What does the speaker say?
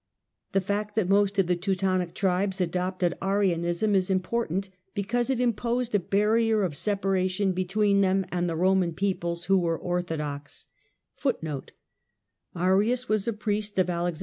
The fact that most of the Teutonic tribes adopted Arianism l is important because it imposed a barrier of separation between them and the Roman peoples, who were orthodox.